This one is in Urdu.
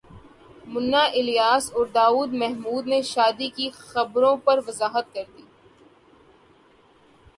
منہ الیاس اور داور محمود نے شادی کی خبروں پر وضاحت کردی